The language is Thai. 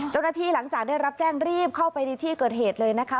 หลังจากได้รับแจ้งรีบเข้าไปในที่เกิดเหตุเลยนะคะ